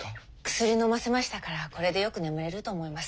薬のませましたからこれでよく眠れると思います。